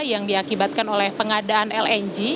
yang diakibatkan oleh pengadaan lng